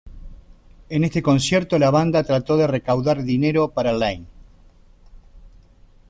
En este concierto, la banda trató de recaudar dinero para Lane.